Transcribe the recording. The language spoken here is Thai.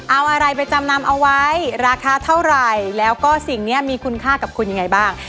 เอาอะไรไปจำนำเอาไว้ราคาเท่าไหร่แล้วก็สิ่งนี้มีคุณค่ากับคุณยังไงบ้าง